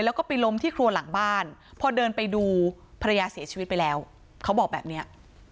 แล้วก็ไปล้มที่ครัวหลังบ้านพอเดินไปดูภรรยาเสียชีวิตไปแล้วเขาบอกแบบเนี้ย